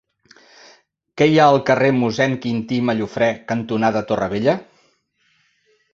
Què hi ha al carrer Mossèn Quintí Mallofrè cantonada Torre Vella?